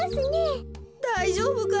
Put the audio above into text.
だいじょうぶか？